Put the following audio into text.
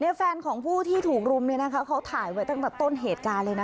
แฟนของผู้ที่ถูกรุมเนี่ยนะคะเขาถ่ายไว้ตั้งแต่ต้นเหตุการณ์เลยนะ